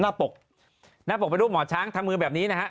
ปกหน้าปกเป็นรูปหมอช้างทำมือแบบนี้นะฮะ